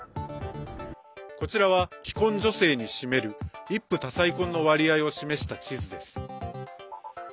こちらは既婚女性に占める一夫多妻婚の割合を示した地図です。